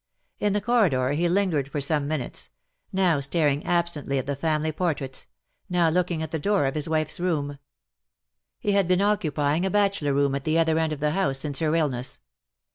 In the corridor he lingered for some minutes — now staring absently at the family portraits — now looking at the door of his wife's room. He had been occupying a bachelor room at the other end of the house since her illness.